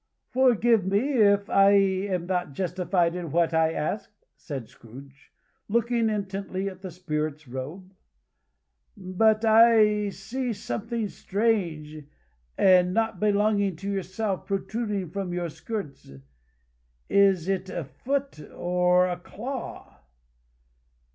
"Forgive me if I am not justified in what I ask," said Scrooge, looking intently at the Spirit's robe, "but I see something strange, and not belonging to yourself, protruding from your skirts. Is it a foot or a claw?"